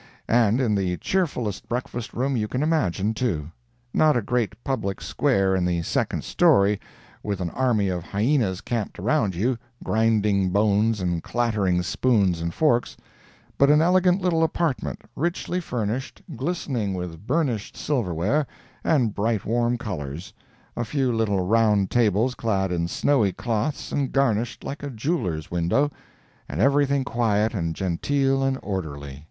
And in the cheerfulest breakfast room you can imagine, too. Not a great public square in the second story, with an army of hyenas camped around you, grinding bones and clattering spoons and forks, but an elegant little apartment, richly furnished, glistening with burnished silver ware and bright warm colors, a few little round tables clad in snowy cloths and garnished like a jeweller's window, and everything quiet, and genteel and orderly.